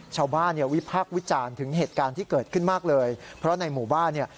ชาวบ้านเนี่ยวิพากษ์วิจารณ์ถึงเหตุการณ์ที่เกิดขึ้นมากเลยเพราะในหมู่บ้านเนี่ย